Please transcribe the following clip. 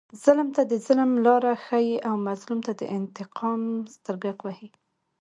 ظلم ته د ظلم لاره ښیي او مظلوم ته د انتقام سترګک وهي.